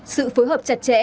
sự phối hợp chặt chẽ